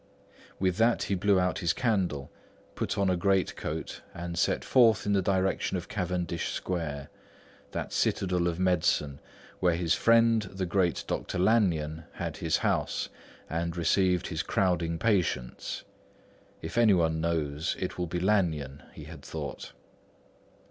With that he blew out his candle, put on a greatcoat, and set forth in the direction of Cavendish Square, that citadel of medicine, where his friend, the great Dr. Lanyon, had his house and received his crowding patients. "If anyone knows, it will be Lanyon," he had thought.